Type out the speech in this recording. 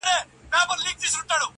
د زړه له درده مي دا غزل ولیکله -